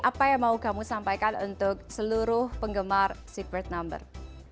apa yang mau kamu sampaikan untuk seluruh penggemar secret number